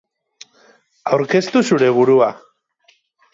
Aurkeztu zeure burua.